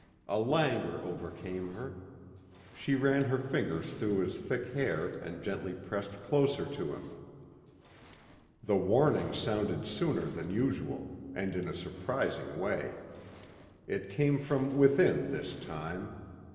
A languor overcame her. She ran her fingers through his hair and gently pressed closer to him. The warning sounded sooner than usual, and in a surprising way. It came from within this time.